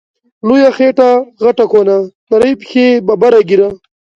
لويه خيټه غټه کونه، نرۍ پښی ببره ږيره